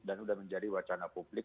dan sudah menjadi wacana publik